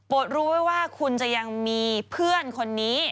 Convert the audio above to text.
รู้ไว้ว่าคุณจะยังมีเพื่อนคนนี้